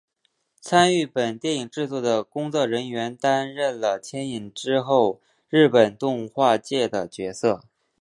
参与本电影制作的工作人员们担任了牵引之后日本动画界的角色。